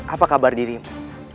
apa kabar dirimu